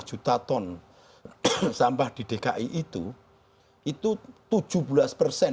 tujuh lima juta ton sampah di dki itu itu tujuh belas persen bukan empat belas persen